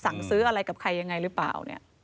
สั่งซื้ออะไรกับใครยังไงหรือเปล่าเนี่ย